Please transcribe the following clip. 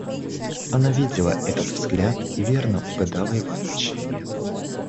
Она видела этот взгляд и верно угадала его значение.